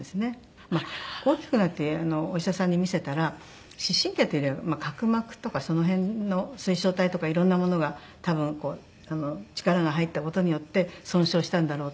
大きくなってお医者さんに見せたら視神経というよりは角膜とかその辺の水晶体とかいろんなものが多分こう力が入った事によって損傷したんだろうと。